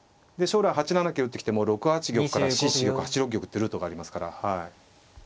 将来８七桂打ってきても６八玉から７七玉８六玉ってルートがありますから。